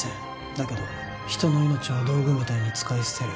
だけど人の命を道具みたいに使い捨てる